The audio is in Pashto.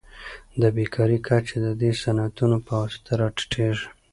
د بیکارۍ کچه د دې صنعتونو په واسطه راټیټیږي.